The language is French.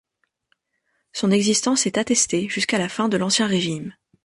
Son existence est attestée jusqu'à la fin de l'Ancien Régime.